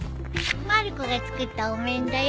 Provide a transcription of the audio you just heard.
まる子が作ったお面だよ。